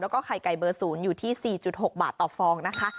ไข่ไก่เบอร์๐๔๖ตก